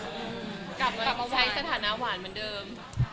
กลับมาไว้สถานะหวานเหมือนเดิม